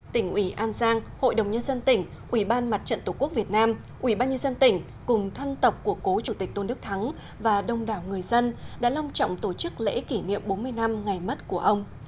tỉnh ủy an giang hội đồng nhân dân tỉnh ủy ban mặt trận tổ quốc việt nam ủy ban nhân dân tỉnh cùng thân tộc của cố chủ tịch tôn đức thắng và đông đảo người dân đã long trọng tổ chức lễ kỷ niệm bốn mươi năm ngày mất của ông